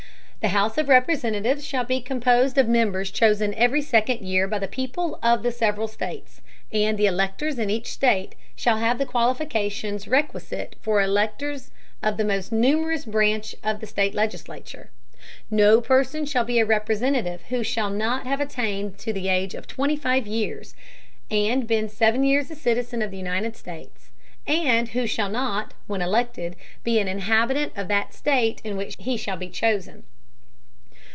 The House of Representatives shall be composed of Members chosen every second Year by the People of the several States, and the Electors in each State shall have the Qualifications requisite for Electors of the most numerous Branch of the State Legislature. No Person shall be a Representative who shall not have attained to the Age of twenty five Years, and been seven Years a Citizen of the United States, and who shall not, when elected, be an Inhabitant of that State in which he shall be chosen.